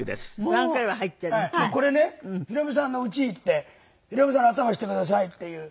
これねひろみさんの家行ってひろみさんの頭にしてくださいっていう。